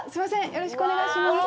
よろしくお願いします。